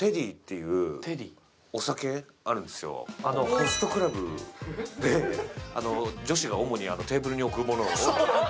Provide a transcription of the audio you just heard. ホストクラブで女子が主にテーブルに置く。